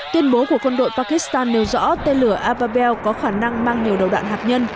tuyên bố của quân đội pakistan nêu rõ tên lửa avabel có khả năng mang nhiều đầu đạn hạt nhân